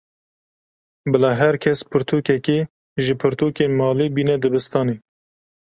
Bila her kes pirtûkekê ji pirtûkên malê bîne dibistanê.